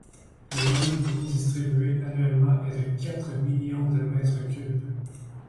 Le volume d'eau distribué annuellement est de quatre millions de mètres cubes.